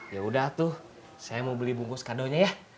yaudah tuh saya mau beli bungkus kado nya ya